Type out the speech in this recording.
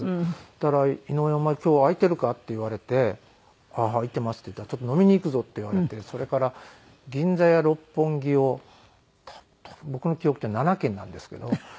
そしたら「井上お前今日空いてるか？」って言われて「はい空いてます」って言ったら「ちょっと飲みに行くぞ」って言われてそれから銀座や六本木を多分僕の記憶じゃ７軒なんですけど。